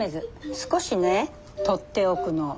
少しね取っておくの。